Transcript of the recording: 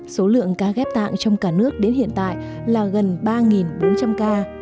số lượng ca ghép tạng trong cả nước đến hiện tại là gần ba bốn trăm linh ca